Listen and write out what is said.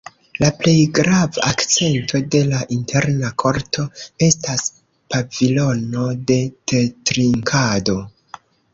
La plej grava akcento de la interna korto estas pavilono de tetrinkado.